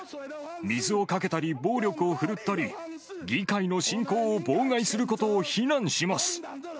水をかけたり、暴力を振るったり、議会の進行を妨害することを非難します。